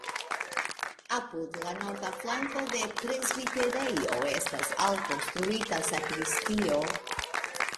Apud la norda flanko de presbiterejo estas alkonstruita sakristio.